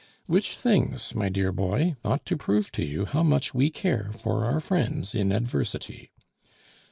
Which things, my dear boy, ought to prove to you how much we care for our friends in adversity.